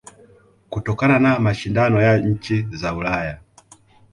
Kutokana na mashindano ya nchi za Ulaya